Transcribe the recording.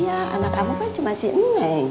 iya anak kamu kan cuma si eneng